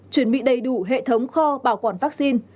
chuẩn bị đầy đủ hệ thống kho bảo quản vaccine